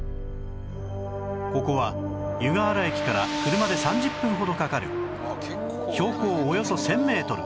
ここは湯河原駅から車で３０分ほどかかる標高およそ１０００メートル